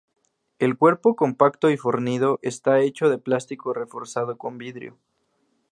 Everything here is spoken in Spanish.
El cuerpo compacto y fornido está hecho de plástico reforzado con vidrio.